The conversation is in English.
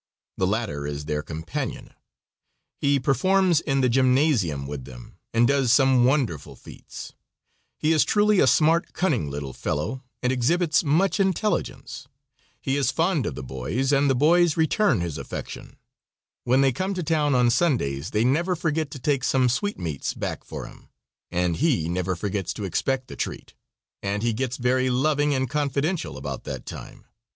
The latter is their companion. He performs in the gymnasium with them, and does some wonderful feats. He is truly a smart, cunning little fellow, and exhibits much intelligence. He is fond of the boys, and the boys return his affection. When they come to town on Sundays they never forget to take some sweetmeats back for him; and he never forgets to expect the treat, and he gets very loving and confidential about that time.